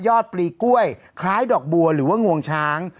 ปลีกล้วยคล้ายดอกบัวหรือว่างวงช้าง